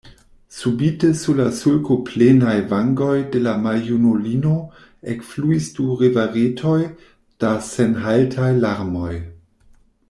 Subite sur la sulkoplenaj vangoj de la maljunulino ekfluis du riveretoj da senhaltaj larmoj.